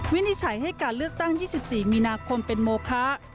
วินิจฉัยให้การเลือกตั้ง๒๔มีนาคมเป็นโมคะ